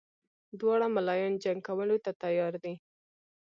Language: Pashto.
دواړه ملایان جنګ کولو ته تیار دي.